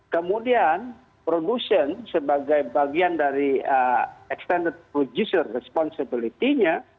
kemudian produsen sebagai bagian dari extended producer responsibility nya